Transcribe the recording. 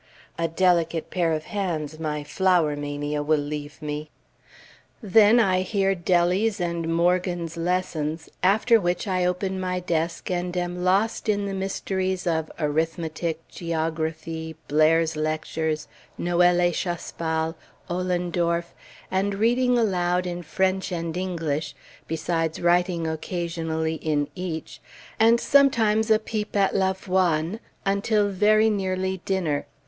A delicate pair of hands my flower mania will leave me! Then I hear Dellie's and Morgan's lessons, after which I open my desk and am lost in the mysteries of Arithmetic, Geography, Blair's Lectures, Noël et Chapsal, Ollendorff, and reading aloud in French and English, besides writing occasionally in each, and sometimes a peep at Lavoisne, until very nearly dinner.